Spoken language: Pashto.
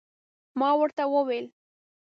ما ورته وویل